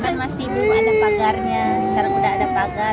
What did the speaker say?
kan masih belum ada pagarnya sekarang udah ada pagar